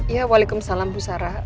ya waalaikumsalam bu sara